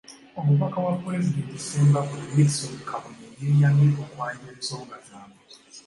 Omubaka wa Pulezidenti e Ssembabule, Nickson Kabuye, yeeyamye okwanja ensonga zaabwe.